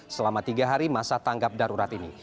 selama tiga hari masa tanggap darurat ini